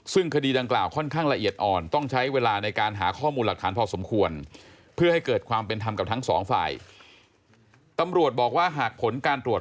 ซึ่งคดีดังกล่าวค่อนข้างละเอียดอ่อน